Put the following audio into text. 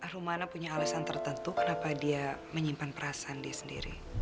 rumana punya alasan tertentu kenapa dia menyimpan perasaan dia sendiri